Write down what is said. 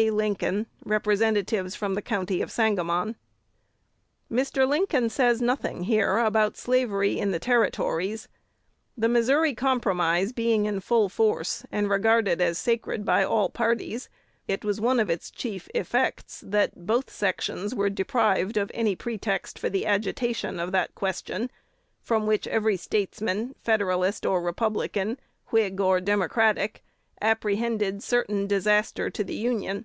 Lincoln, Representatives from the County of Sanqamon. Mr. Lincoln says nothing here about slavery in the Territories. The Missouri Compromise being in full force, and regarded as sacred by all parties, it was one of its chief effects that both sections were deprived of any pretext for the agitation of that question, from which every statesman, Federalist or Republican, Whig or Democratic, apprehended certain disaster to the Union.